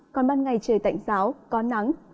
còn ban ngày trời tạnh giáo có nắng